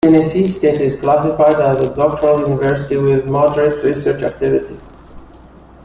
Tennessee State is classified as a Doctoral University with Moderate Research Activity.